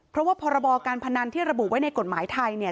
เพราะว่าพรบการพนันที่ระบุไว้ในกฎหมายไทยเนี่ย